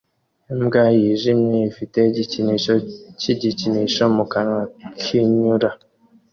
Imbwa yijimye ifite igikinisho cyikinisho mu kanwa kinyura